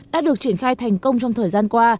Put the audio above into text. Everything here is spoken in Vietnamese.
đã được triển khai thành công trong thời gian qua